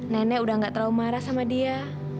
nenek udah gak terlalu marah sama dia